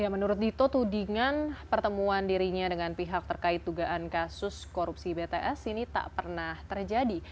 menurut dito tudingan pertemuan dirinya dengan pihak terkait tugaan kasus korupsi bts ini tak pernah terjadi